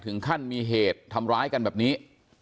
ถึงขั้นมีเหตุทำร้ายกันแบบนี้